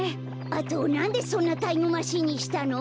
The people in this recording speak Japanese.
あとなんでそんなタイムマシーンにしたの？